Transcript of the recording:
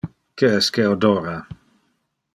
Que es que odora?